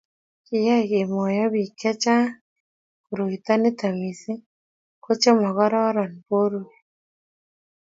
Kiyai komeyo biik che chang' koroito nito mising' ko che makararan borwek